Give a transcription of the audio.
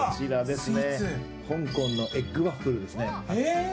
香港のエッグワッフルですね。